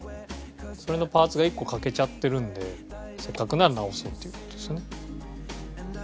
それのパーツが１個欠けちゃってるのでせっかくなら直そうっていう事ですね。